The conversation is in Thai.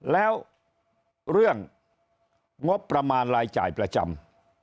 แล้วเรื่องงบประมาณรายจ่ายประจำ